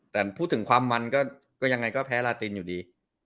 แต่พูดถึงความมันก็แพ้ลาตินอยู่ดี